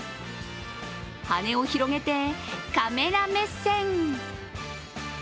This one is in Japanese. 羽を広げてカメラ目線。